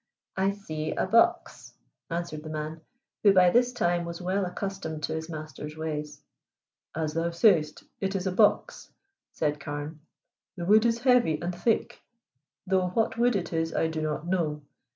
"I see a box," answered the man, who by this time was well accustomed to his master's ways. "As thou say'st, it is a box," said Carne. "The wood is heavy and thick, though what wood it is I do not know.